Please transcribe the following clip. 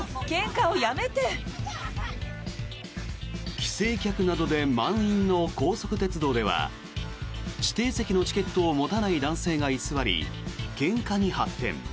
帰省客などで満員の高速鉄道では指定席のチケットを持たない男性が居座り、けんかに発展。